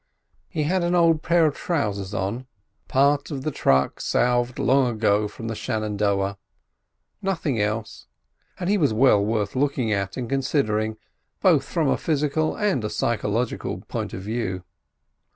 He had an old pair of trousers on—part of the truck salved long ago from the Shenandoah—nothing else, and he was well worth looking at and considering, both from a physical and psychological point of view.